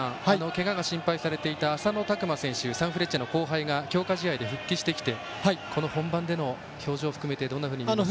けがが心配されていた浅野拓磨選手サンフレッチェの後輩が強化試合で復帰して本番での表情含めてどんなふうに見ますか？